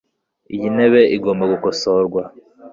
Iyi ntebe igomba gukosorwa